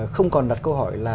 không còn đặt câu hỏi là